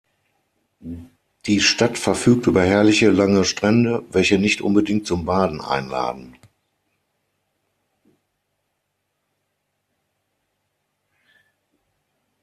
Die Stadt verfügt über herrliche lange Strände, welche nicht unbedingt zum Baden einladen.